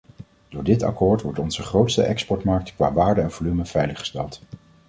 Door dit akkoord wordt onze grootste exportmarkt qua waarde en volume veiliggesteld.